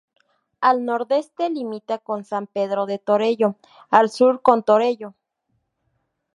Al nordeste limita con San Pedro de Torelló, al sur con Torelló.